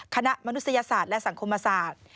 มนุษยศาสตร์และสังคมศาสตร์